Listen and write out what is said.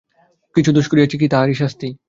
কিছু দোষ করিয়াছি কি-তাহারই শাস্তি?